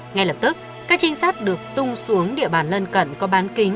ngay lập tức các trinh sát được tung xuống địa bàn lân cận có bán kính